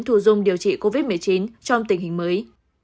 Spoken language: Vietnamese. thù dung điều trị covid một mươi chín trong tình hình mới